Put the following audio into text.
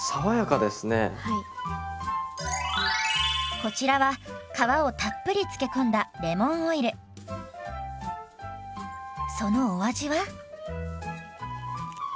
こちらは皮をたっぷり漬け込んだそのお味は？